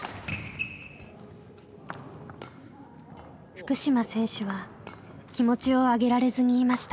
福島選手は気持ちを上げられずにいました。